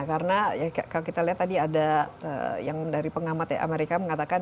karena kalau kita lihat tadi ada yang dari pengamat ya amerika mengatakan